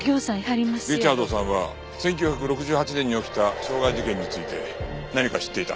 リチャードさんは１９６８年に起きた傷害事件について何か知っていた。